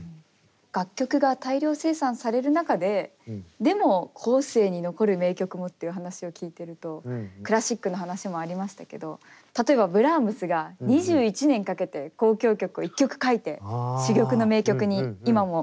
楽曲が大量生産される中ででも後世に残る名曲もっていう話を聞いてるとクラシックの話もありましたけど例えばブラームスが２１年かけて交響曲を一曲書いて珠玉の名曲に今も残っているっていう。